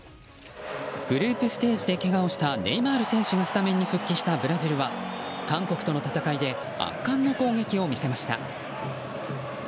グループステージでけがをしたネイマール選手がスタメンに復帰したブラジルは韓国との戦いで圧巻の攻撃を見せました。